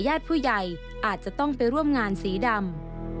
ญาติผู้ใหญ่อาจจะต้องไปร่วมงานสีดำ